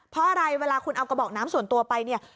เพราะอะไรเวลาคุณเอากระบอกน้ำส่วนตัวไปเนี่ย